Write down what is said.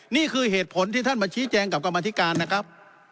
นี่คือเหตุผลที่ท่านมาชี้แจงกับกรรมธิการนะครับ